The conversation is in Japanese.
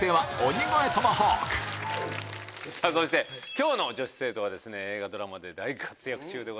今日の女子生徒は映画ドラマで大活躍中です